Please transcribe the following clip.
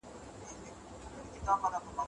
تخیل د ژوند لپاره اړین دی.